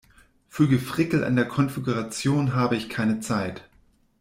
Für Gefrickel an der Konfiguration habe ich keine Zeit.